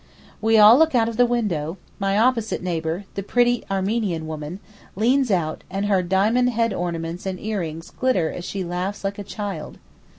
We all look out of the window; my opposite neighbour, the pretty Armenian woman, leans out, and her diamond head ornaments and earrings glitter as she laughs like a child.